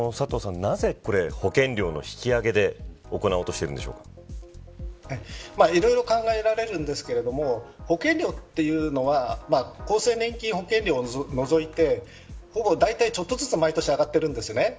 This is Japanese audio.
なぜ、保険料の引き上げでいろいろ考えられるんですが保険料というのは厚生年金保険料を除いてちょっとずつ毎年、上がっているんです。